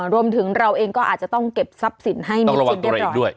อ๋อรวมถึงเราเองก็อาจจะต้องเก็บทรัพย์สินให้มีสินเรียบร้อย